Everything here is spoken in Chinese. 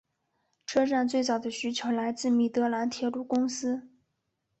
车站最早的需求来自米德兰铁路公司。